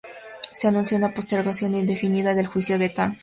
Se anunció una postergación indefinida del juicio de Tan.